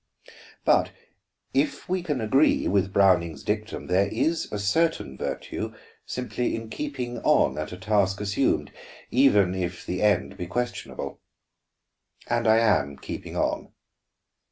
"But if we can agree with Browning's dictum, there is a certain virtue simply in keeping on at a task assumed, even if the end be questionable. And I am keeping on.